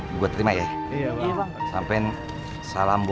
udah terima aja napa ya bang